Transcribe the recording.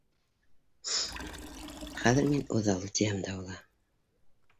Хәҙер мин үҙаллы тиһәм дә була.